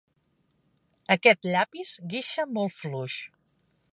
Aquest llapis guixa molt fluix.